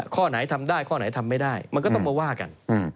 ข้อไหนทำได้ข้อไหนทำไม่ได้มันก็ต้องมาว่ากัน